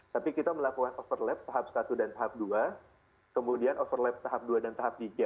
tapi kita melakukan overlap tahap satu dan tahap dua kemudian overlap tahap dua dan tahap tiga